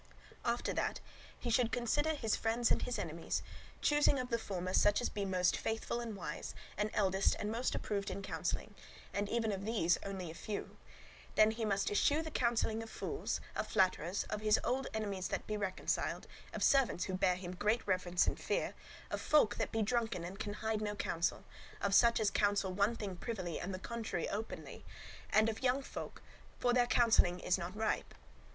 After that he should consider his friends and his enemies, choosing of the former such as be most faithful and wise, and eldest and most approved in counselling; and even of these only a few. Then he must eschew the counselling of fools, of flatterers, of his old enemies that be reconciled, of servants who bear him great reverence and fear, of folk that be drunken and can hide no counsel, of such as counsel one thing privily and the contrary openly; and of young folk, for their counselling is not ripe.